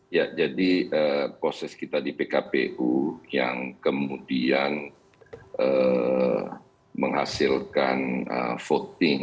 ya jadi proses kita di pkpu yang kemudian menghasilkan voting